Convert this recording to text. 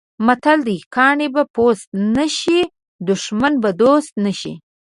متل دی: کاڼی به پوست نه شي، دښمن به دوست نه شي.